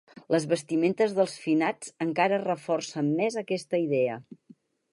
Les vestimentes dels finats encara reforcen més aquesta idea.